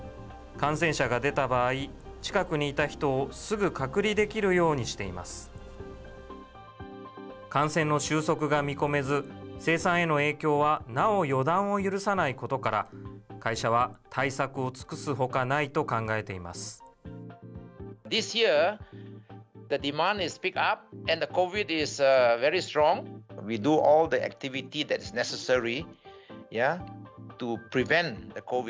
感染の収束が見込めず、生産への影響はなお予断を許さないことから、会社は対策を尽くすほかないと考えています。